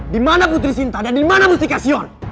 dimana putri sinta dan dimana mustika xion